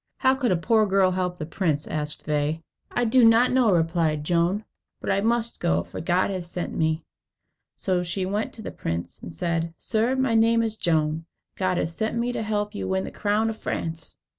"How can a poor girl help the prince?" asked they. "I do not know," replied Joan; "but I must go, for God has sent me." So she went to the prince, and said: "Sir, my name is Joan. God has sent me to help you to win the crown of France."